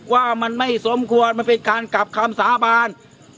ว่ามันไม่สมควรมันเป็นการกลับคำสาบาน